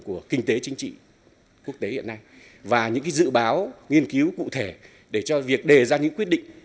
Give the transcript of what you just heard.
của kinh tế chính trị quốc tế hiện nay và những dự báo nghiên cứu cụ thể để cho việc đề ra những quyết định